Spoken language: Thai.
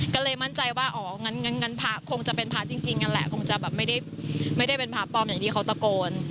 ก็เลยมั่นใจว่าอ๋องั้นพระคงจะเป็นพระจริงนั่นแหละคงจะแบบไม่ได้เป็นพระปลอมอย่างที่เขาตะโกน